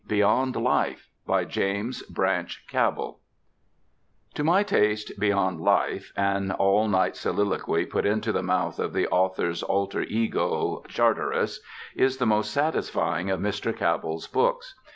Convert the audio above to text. BEYOND LIFE By JAMES BRANCH CABELL To my taste, Beyond Life, an all night soliloquy put into the mouth of the author's alter ego Charteris, is the most satisfying of Mr. Cabell's books.